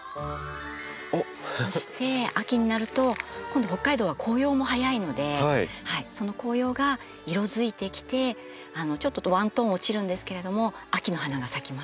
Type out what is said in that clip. そして秋になると今度北海道は紅葉も早いのでその紅葉が色づいてきてちょっとワントーン落ちるんですけれども秋の花が咲きます。